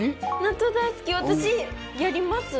納豆大好き私やります